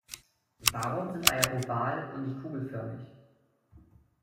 Warum sind Eier oval und nicht kugelförmig?